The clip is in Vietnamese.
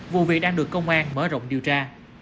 vụ việc đang được công an mở rộng điều tra